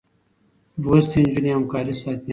لوستې نجونې همکاري ساتي.